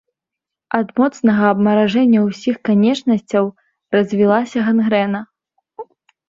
Ад моцнага абмаражэння ўсіх канечнасцяў развілася гангрэна.